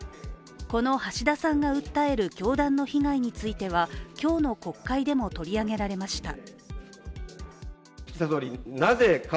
この橋田さんが訴える教団の被害については今日の国会でも取り上げられました。